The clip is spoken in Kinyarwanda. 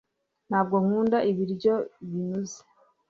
ntabwo nkunda ibiryo binuze